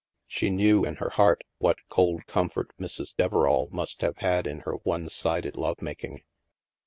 She knew, in her heart, what cold comfort Mrs. Deverall must have had in her one sided love making.